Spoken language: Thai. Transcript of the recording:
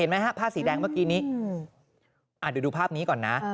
เห็นไหมฮะผ้าสีแดงเมื่อกี้นี้ดูภาพนี้ก่อนนะ